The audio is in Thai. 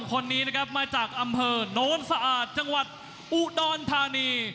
คนนี้นะครับมาจากอำเภอโน้นสะอาดจังหวัดอุดรธานี